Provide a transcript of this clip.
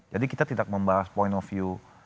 jadi kita tidak membahas point of view